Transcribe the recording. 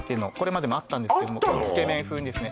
つけ麺風にですね